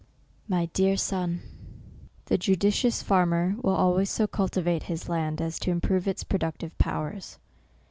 My Dear Sox, The judicious farmer will always socul* tivate his land as to improve its productive powers.